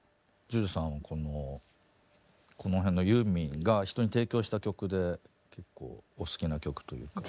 ＪＵＪＵさんはこのこの辺のユーミンが人に提供した曲で結構お好きな曲というか。